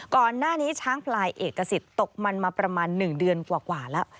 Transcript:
ก่อนหน้านี้ช้างพลายเอกสิทธิ์ตกมันมาประมาณ๑เดือนกว่าแล้ว